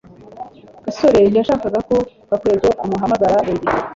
gasore ntiyashakaga ko gakwego amuhamagara buri gihe